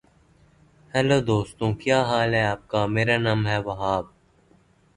The game has two main modes.